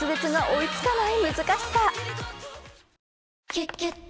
「キュキュット」